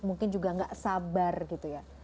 mungkin juga nggak sabar gitu ya